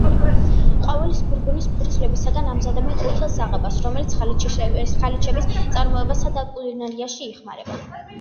ყვავილის გვირგვინის ფურცლებისაგან ამზადებენ ყვითელ საღებავს, რომელიც ხალიჩების წარმოებასა და კულინარიაში იხმარება.